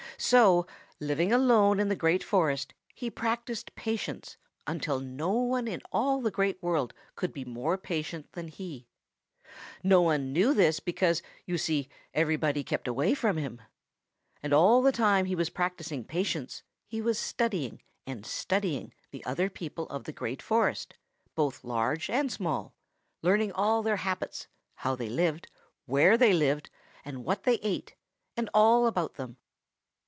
So, living alone in the Great Forest, he practised patience until no one in all the Great World could be more patient than he. No one knew this because, you see, everybody kept away from him. And all the time he was practising patience, he was studying and studying the other people of the Great Forest, both large and small, learning all their habits, how they lived, where they lived, what they ate, and all about them.